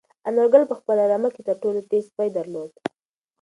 انارګل په خپله رمه کې تر ټولو تېز سپی درلود.